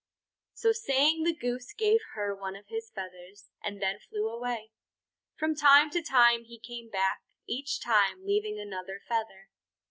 So saying the Goose gave her one of his feathers, and then flew away. From time to time he came back, each time leaving another feather.